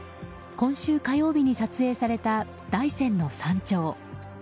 今週火曜日に撮影された大山の山頂。